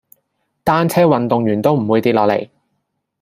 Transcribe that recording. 單車運動員都唔會跌落嚟